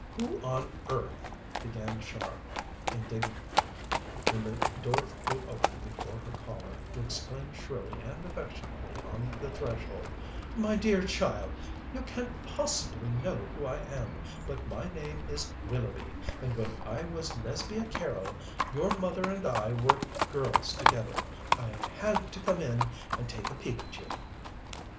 "Who on earth " began Char indignantly, when the door flew open before her caller, who exclaimed shrilly and affectionately on the threshold: "My dear child, you can't possibly know who I am, but my name is Willoughby, and when I was Lesbia Carroll your mother and I were girls together. I had to come in and take a peep at you!"